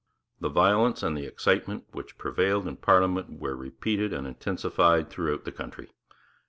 The violence and the excitement which prevailed in parliament were repeated and intensified throughout the country.